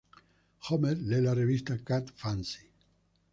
Homer lee la revista Cat Fancy.